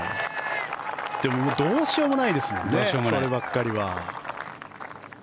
でもどうしようもないですよねそればっかりは。